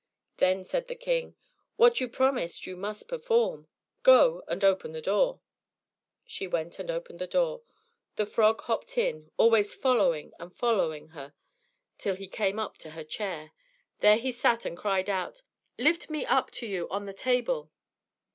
Then said the king, "What you promised you must perform. Go and open the door." She went and opened the door; the frog hopped in, always following and following her till he came up to her chair. There he sat and cried out, "Lift me up to you on the table."